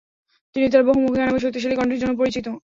তিনি তার বহুমুখী গান এবং শক্তিশালী কণ্ঠের জন্য পরিচিত।